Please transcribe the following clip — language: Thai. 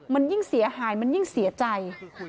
มันยิ่งเสียหายมันยิ่งเสียใจ